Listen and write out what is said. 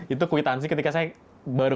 itu kuitansi ketika saya